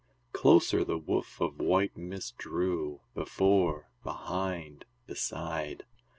Closer the woof of white mist drew, Before, behind, beside.